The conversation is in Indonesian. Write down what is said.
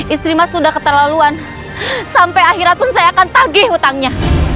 istri mas sudah keterlaluan sampai akhirnya pun saya akan tagih hutangnya